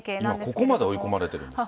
ここまで追い込まれてるんですって。